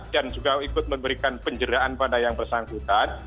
dan juga ikut memberikan penjeraan pada yang bersangkutan